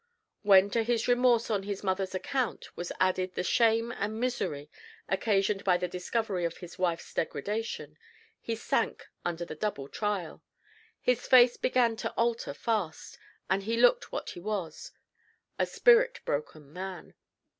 When to his remorse on his mother's account was added the shame and misery occasioned by the discovery of his wife's degradation, he sank under the double trial his face began to alter fast, and he looked what he was, a spirit broken man.